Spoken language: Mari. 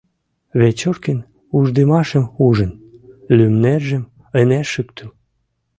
Вечоркин уждымашым ужын, лӱмнержым ынеж шӱктыл: